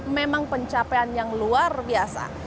memang pencapaian yang luar biasa